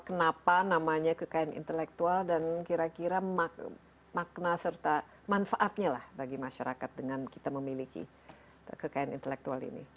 kenapa namanya kekayaan intelektual dan kira kira makna serta manfaatnya lah bagi masyarakat dengan kita memiliki kekayaan intelektual ini